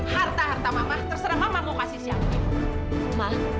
harta harta mama terserah mama mau kasih siapa